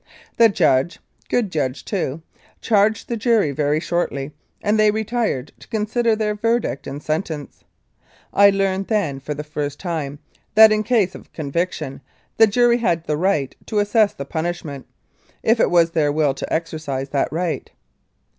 The judge (good judge, too) charged the jury very shortly, and they retired to consider their verdict and sentence. I learned then, for the first time, that, in case of conviction, the jury had the right to assess the punish ment, if it was their will to exercise that right.